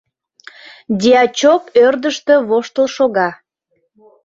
Дьячок ӧрдыжтӧ воштыл шога.